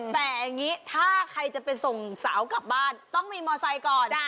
แต่อย่างนี้ถ้าใครจะไปส่งสาวกลับบ้านต้องมีมอไซค์ก่อน